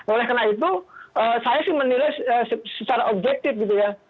oleh karena itu saya sih menilai secara objektif gitu ya